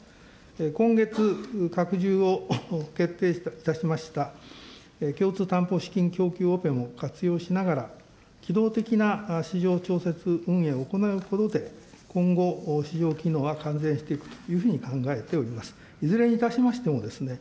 今月、拡充を決定いたしました共通担保資金も活用しながら、機動的な市場調節運用を行うことで、今後、市場機能は改善していくというふうに考えております。